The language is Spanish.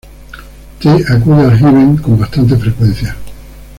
T acude al Heaven con bastante frecuencia.